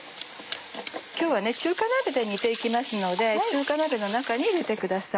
今日は中華鍋で煮て行きますので中華鍋の中に入れてください。